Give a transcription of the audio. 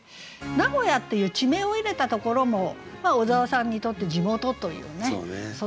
「名古屋」っていう地名を入れたところも小沢さんにとって地元というねその嬉しさがありますよね。